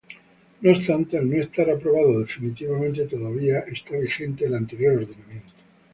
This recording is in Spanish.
No obstante, al no estar aprobado definitivamente, todavía está vigente el anterior ordenamiento.